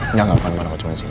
enggak enggak aku cuma di sini